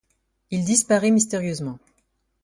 Il disparaît mystérieusement.